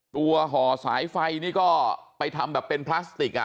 ห่อสายไฟนี่ก็ไปทำแบบเป็นพลาสติกอ่ะ